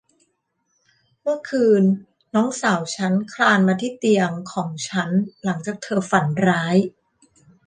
เมื่อคืนน้องสาวฉันคลานมาที่เตียงของฉันหลังจากเธอฝันร้าย